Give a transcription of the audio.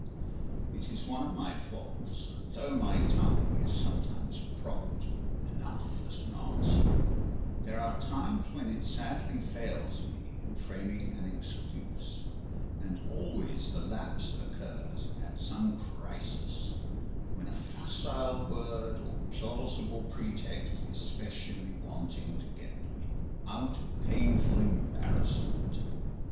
It is one of my faults, that though my tongue is sometimes prompt enough at an answer, there are times when it sadly fails me in framing an excuse; and always the lapse occurs at some crisis, when a facile word or plausible pretext is specially wanted to get me out of painful embarrassment.